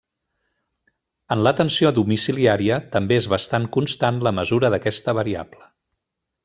En l'atenció domiciliària també és bastant constant la mesura d'aquesta variable.